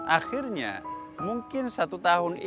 akhirnya mungkin satu tahun ini